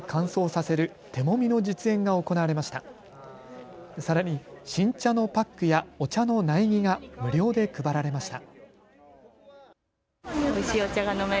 さらに新茶のパックやお茶の苗木が無料で配られました。